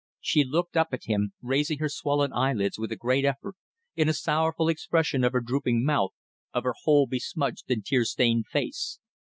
She looked up at him, raising her swollen eyelids with a great effort, in a sorrowful expression of her drooping mouth, of her whole besmudged and tear stained face.